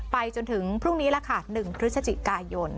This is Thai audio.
จนถึงพรุ่งนี้แหละค่ะ๑พฤศจิกายน